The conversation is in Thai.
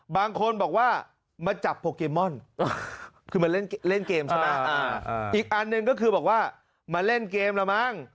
บางคนบอกว่ามาจับโปเกมอนคือมาเล่นเกมใช่ไหมอีกอันหนึ่งก็คือบอกว่ามาเล่นเกมละมั้ง